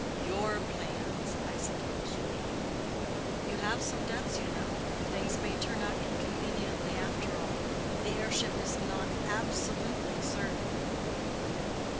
"Your plans, I suppose you mean." "You have some debts, you know, and things may turn out inconveniently, after all. The heirship is not absolutely certain."